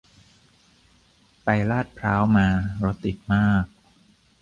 ไปลาดพร้าวมา รถติดมาก